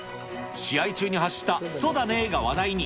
試合中に発したそだねーが話題に。